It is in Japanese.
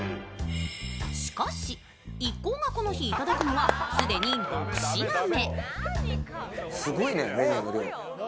しかし、一行がこの日、いただくのは既に６品目。